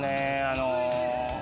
あの。